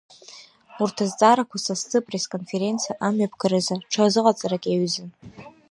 Урҭ азҵаарақәа са сзы апресс-конференциа амҩаԥгаразы ҽазыҟаҵарак иаҩызан.